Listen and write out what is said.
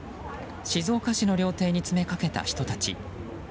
静岡市の料亭に詰めかけた人たち。